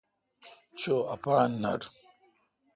چو اپان نٹ۔